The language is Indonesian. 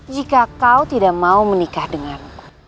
jika kau tidak mau menikah denganmu